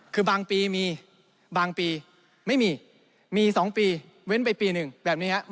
คือบางปีมีบางปีไม่มีมี๒ปีเว้นไปปีหนึ่งแบบนี้ครับ